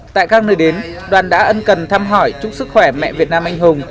tại các nơi đến đoàn đã ân cần thăm hỏi chúc sức khỏe mẹ việt nam anh hùng